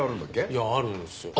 いやあるんですよ。